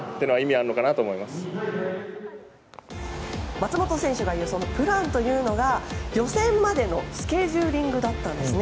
松元選手が言うプランというのが予選までのスケジューリングだったんですね。